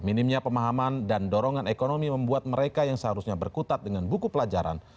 minimnya pemahaman dan dorongan ekonomi membuat mereka yang seharusnya berkutat dengan buku pelajaran